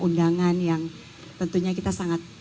undangan yang tentunya kita sangat